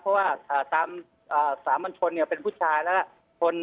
เพราะว่าตามสามัญชนเป็นผู้ชายแล้วก็